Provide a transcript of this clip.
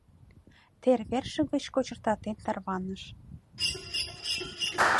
Тер верже гыч кочыртатен тарваныш.